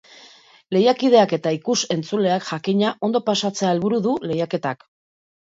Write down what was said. Lehiakideak eta ikus-entzuleak, jakina, ondo pasatzea helburu du lehiaketak.